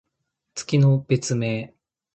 月の別名。